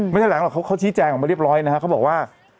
แถลงหรอกเขาชี้แจงออกมาเรียบร้อยนะฮะเขาบอกว่า